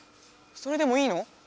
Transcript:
それでもいいの？